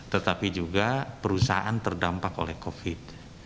tetapi juga perusahaan terdampak oleh covid sembilan belas